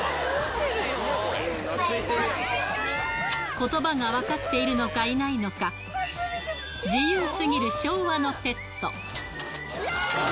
ことばが分かっているのかいないのか、自由すぎる昭和のペット。